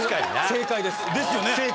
正解です。ですよね。